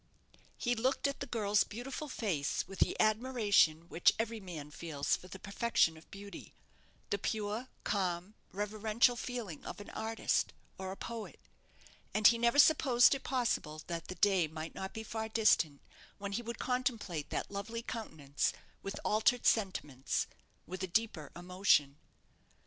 He looked at the girl's beautiful face with the admiration which every man feels for the perfection of beauty the pure, calm, reverential feeling of an artist, or a poet and he never supposed it possible that the day might not be far distant when he would contemplate that lovely countenance with altered sentiments, with a deeper emotion.